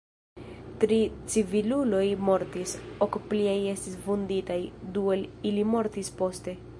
Tri civiluloj mortis, ok pliaj estis vunditaj, du el ili mortis poste.